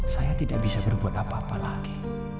saya tidak bisa berbuat apa apa lagi